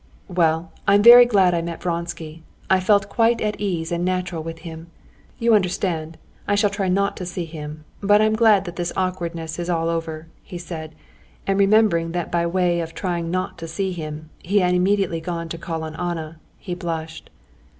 "Well, I'm very glad I met Vronsky. I felt quite at ease and natural with him. You understand, I shall try not to see him, but I'm glad that this awkwardness is all over," he said, and remembering that by way of trying not to see him, he had immediately gone to call on Anna, he blushed.